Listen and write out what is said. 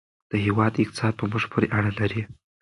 د هېواد اقتصاد په موږ پورې اړه لري.